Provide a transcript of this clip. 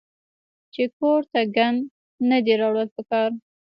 چې کور ته ګند نۀ دي راوړل پکار